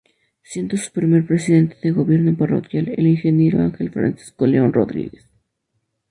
Siendo su primer presidente de gobierno parroquial el ingeniero Ángel Francisco León Rodríguez.